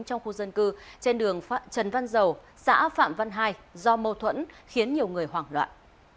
trong khu dân cư trên đường trần văn dầu xã phạm văn hai do mâu thuẫn khiến nhiều người hoảng loạn